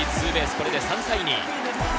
これで３対２。